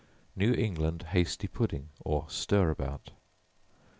New England Hasty Pudding, or Stir about.